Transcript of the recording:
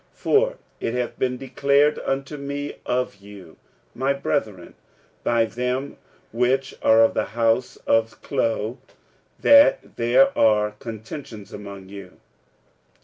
46:001:011 For it hath been declared unto me of you, my brethren, by them which are of the house of Chloe, that there are contentions among you.